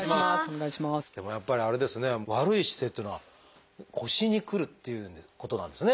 でもやっぱりあれですね悪い姿勢っていうのは腰にくるっていうことなんですね